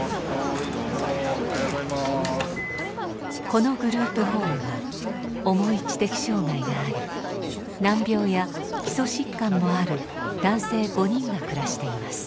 このグループホームは重い知的障害があり難病や基礎疾患もある男性５人が暮らしています。